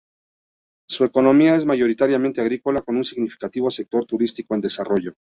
Su economía es mayoritariamente agrícola, con un significativo sector turístico en desarrollo.